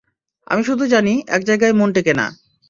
আমি শুধু জানি, একজায়গায় মন টেকে না।